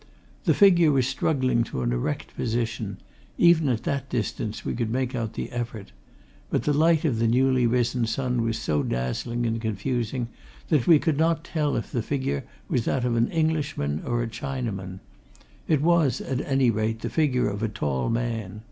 The figure was struggling to an erect position even at that distance we could make out the effort. But the light of the newly risen sun was so dazzling and confusing that we could not tell if the figure was that of an Englishman or a Chinaman it was, at any rate, the figure of a tall man.